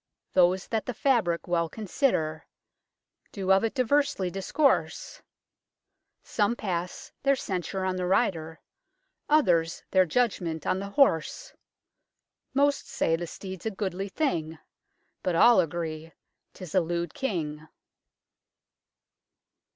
Those that the fabric well consider Do of it diversely discourse, Some pass their censure on the rider, Others their judgment on the horse ; Most say the steed's a goodly thing, But all agree 'tis a lewd King."